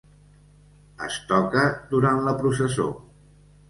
Es toca durant la processó.